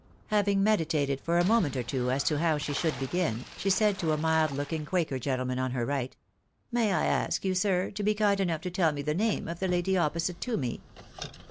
Having meditated for a moment or two as to how she should begin, she said to a mild looking quaker gentleman on her right —" May I ask you, sir, to be kind enough to tell me the name of the lady opposite to me?